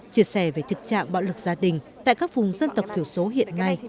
chia sẻ về thực trạng bạo lực gia đình tại các vùng dân tộc thiểu số hiện nay